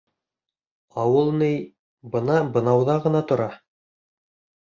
Ауыл ни, бына бынауҙа ғына тора.